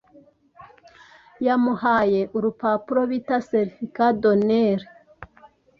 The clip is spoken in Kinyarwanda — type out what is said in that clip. yamuhaye urupapuro bita certificat d’honneur.